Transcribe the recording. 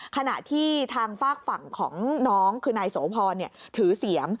ขณะที่ทางฝากฝั่งของน้องคือนายโสพรถือเสียม